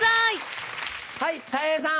はいたい平さん。